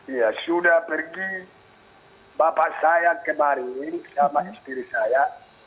iya sudah pergi bapak saya kemarin sama istri saya